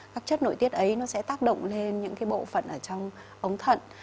các chất nội tiết ấy nó sẽ tác động lên những cái bộ phận ở trong ống thận